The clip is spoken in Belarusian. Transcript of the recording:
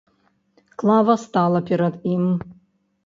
Клава стала перад ім.